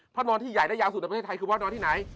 นอนที่ใหญ่ได้ยาวสุดในประเทศไทยคือพระนอนที่ไหน